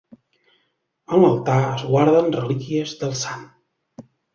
En l'altar es guarden relíquies del Sant.